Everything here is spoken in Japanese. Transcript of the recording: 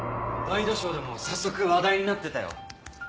ワイドショーでも早速話題になってたよ。